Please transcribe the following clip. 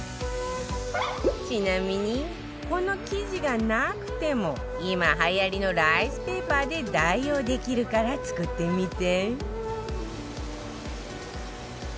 ちなみにこの生地がなくても今はやりのライスペーパーで代用できるから作ってみて